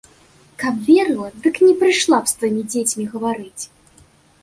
Каб верыла, дык не прыйшла б з тваімі дзецьмі гаварыць.